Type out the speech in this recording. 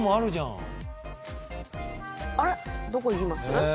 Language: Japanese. あれ、どこ行きます？